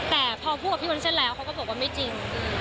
แต่พอพูดกับพี่วุ้นเส้นแล้วเขาก็บอกว่าไม่จริง